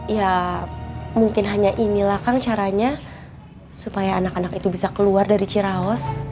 ya mungkin hanya inilah kang caranya supaya anak anak itu bisa keluar dari ciraos